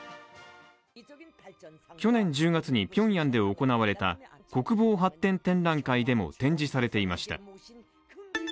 去年１０月に、ピョンヤンで行われた国防発展展覧会でも展示されていました。